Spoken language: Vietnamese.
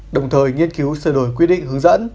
đồng thời nghiên cứu sửa đổi quy định hướng dẫn